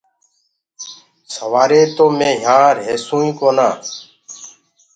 سوآري تو مي يهآنٚ ريهسوئيٚ ڪونآ